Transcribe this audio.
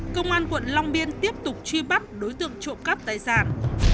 công an quận long biên tiếp tục truy bắt đối tượng trộm cắp tài sản